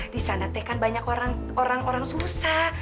disana teh kan banyak orang orang susah